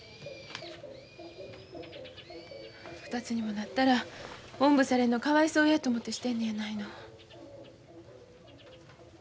２つにもなったらおんぶされるのかわいそうやと思てしてるのやないの。